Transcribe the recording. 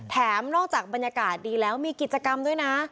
นอกจากบรรยากาศดีแล้วมีกิจกรรมด้วยนะ